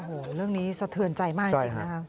โอ้โหเรื่องนี้สะเทือนใจมากจริงนะคะ